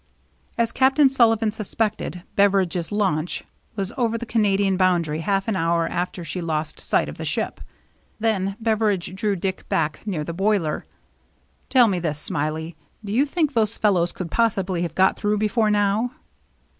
As Captain Sullivan suspected, Beveridge's launch was over the Canadian boundary half an hour after she lost sight of the ship. Then Beveridge drew Dick back near the boiler. " Tell me this. Smiley. Do you think those fellows could possibly have got through before now?"